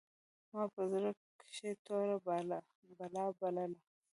ما په زړه کښې توره بلا بلله.